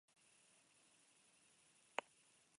Donostian egindako bilerak jarraipena izango du.